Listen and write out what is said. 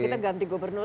atau kita ganti gubernur